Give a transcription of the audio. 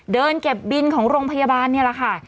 เดินเก็บบินของโรงพยาบาลนี่แหละค่ะ